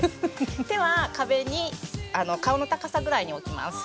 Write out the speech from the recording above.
手は壁に顔の高さぐらいに置きます。